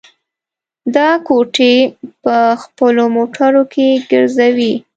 دا کوټې په خپلو موټرو کې ګرځوي.